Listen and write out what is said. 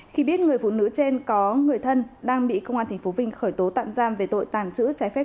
khi biết người phụ nữ trên có người thân đang bị công an tp vinh khởi tố tạm giam về tội tàng trữ trái phép